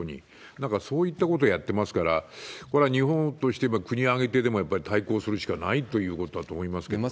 だからそういったことをやってますから、これは日本としては国挙げてでも、やっぱり対抗するしかないということだと思いますけれどもね。